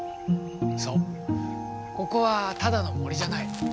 そうここはただの森じゃない。